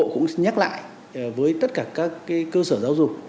và bộ cũng nhắc lại với tất cả các cơ sở giáo dục